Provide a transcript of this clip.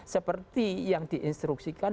seperti yang di instruksikan